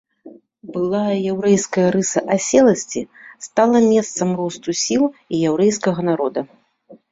Былая яўрэйская рыса аселасці стала месцам росту сіл і яўрэйскага народа.